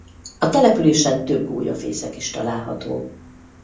A településen több gólyafészek is található.